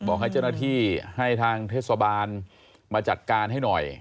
บอกให้เจ้าหน้าที่ให้ทางเทศบาลมาจัดการให้หน่อย